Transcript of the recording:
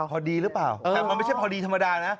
พอดีหรือเปล่าแต่มันไม่ใช่พอดีธรรมดานะ